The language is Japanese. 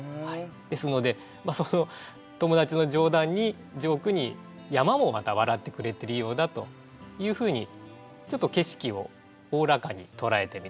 ですので友達の冗談にジョークに山もまた笑ってくれてるようだというふうにちょっと景色をおおらかに捉えてみたという句です。